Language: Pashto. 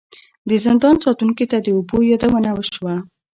د زندان ساتونکي ته د اوبو یادونه وشوه.